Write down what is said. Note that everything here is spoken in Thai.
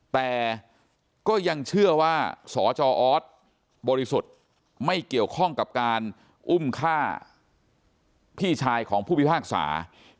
แต่ก็ยังเชื่อว่าสจออสบริสุทธิ์ไม่เกี่ยวข้องกับการอุ้มฆ่าพี่ชายของผู้พิพากษา